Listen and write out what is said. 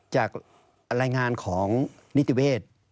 จากรายงานของนิติเวทย์